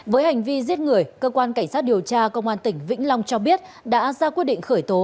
với hành vi giết người cơ quan cảnh sát điều tra công an tỉnh vĩnh long cho biết đã ra quyết định khởi tố